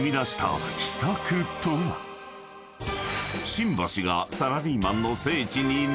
［新橋が］